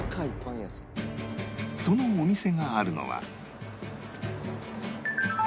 そのお店があるのは